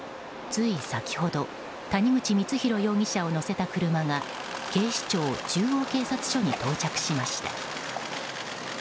つい先ほど谷口光弘容疑者を乗せた車が警視庁中央警察署に到着しました。